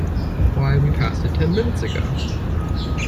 Why, we passed it ten minutes ago!